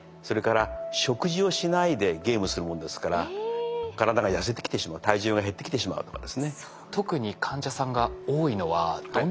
それから食事をしないでゲームするもんですから体が痩せてきてしまう体重が減ってきてしまうとかですね。